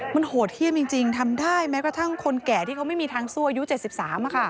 มันโหดเยี่ยมจริงทำได้แม้กระทั่งคนแก่ที่เขาไม่มีทางสู้อายุ๗๓